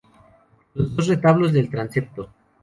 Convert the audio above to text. Los dos retablos del transepto.